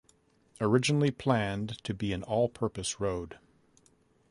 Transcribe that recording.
Originally planned to be an all purpose road.